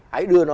hãy đưa nó